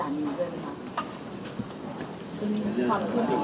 น้องสมบัติ